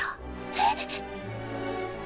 えっ！